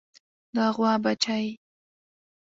د غوا بچۍ